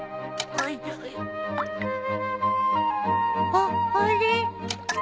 あっあれ？